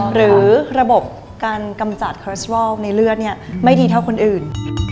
หรือระบบการกำจัดคอสวอลในเลือดไม่ดีเท่าคนอื่น